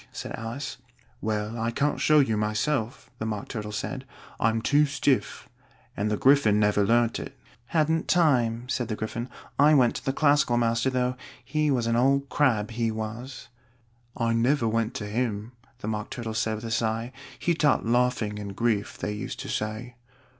said Alice. "Well, I can't show it you, myself," the Mock Turtle said: "I'm too stiff. And the Gryphon never learnt it." "Hadn't time," said the Gryphon: "I went to the Classical master, though. He was an old crab, he was." "I never went to him," the Mock Turtle said with a sigh: "he taught Laughing and Grief, they used to say."